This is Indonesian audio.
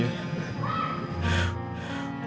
aku tak mau